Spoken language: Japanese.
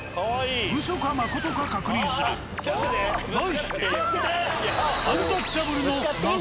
ウソかまことか確認する題して。